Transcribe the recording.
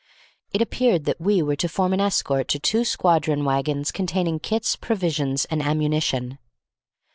It appeared that we were to form an escort to two squadron wagons containing kits, provisions, and ammunition.